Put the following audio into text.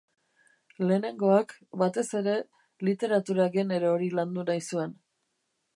Lehenengoak, batez ere, literatura genero hori landu nahi zuen.